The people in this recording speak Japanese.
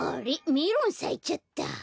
メロンさいちゃった。